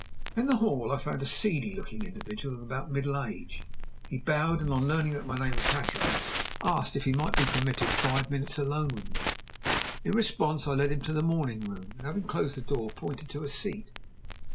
In the hall I found a seedy looking individual of about middle age. He bowed, and on learning that my name was Hatteras, asked if he might be permitted five minutes alone with me. In response, I led him to the morning room, and having closed the door, pointed to a seat.